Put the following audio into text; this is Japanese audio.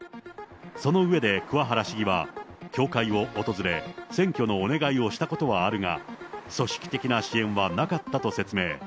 その上で、桑原市議は、教会を訪れ、選挙のお願いをしたことはあるが、組織的な支援はなかったと説明。